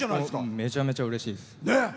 めちゃめちゃうれしいっす。